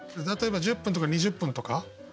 例えば１０分とか２０分とか。